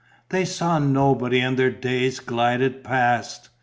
They saw nobody and their days glided past.